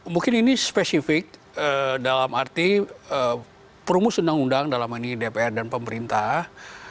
mungkin ini spesifik dalam arti perumus undang undang dalam ini dpr dan pemerintah